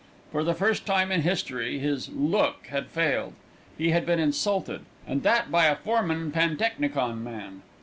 For the first time in history his "look" had failed. He had been insulted, and that by a foreman pantechnicon man.